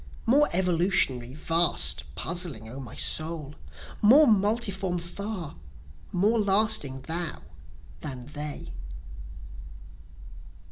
More evolutionary, vast, puzzling, O my soul! More multiform far more lasting thou than they.